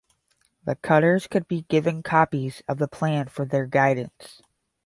The cutters could be given copies of the plan for their guidance.